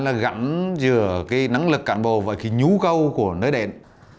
thứ ba là gắn giữa cái năng lực cán bộ và cái nhú câu của nơi đèn